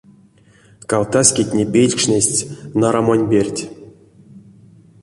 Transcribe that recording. Кавтаськетне пейтькшнесть нарамонь перть.